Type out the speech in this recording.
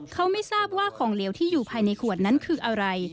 เขาไม่ทราบว่าของเหลวที่อยู่ภายในขวดนั้นคืออะไร